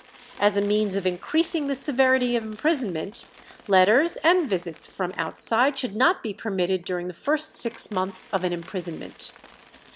As a means of increasing the severity of imprisonment, letters and visits from outside should not be permitted during the first six months of an imprisonment.